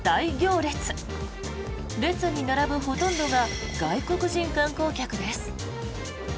列に並ぶほとんどが外国人観光客です。